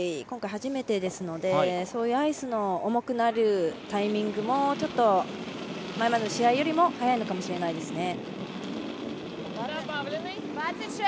今回、初めてですのでそういうアイスの重くなるタイミングもちょっと前までの試合よりも早いのかもしれないです。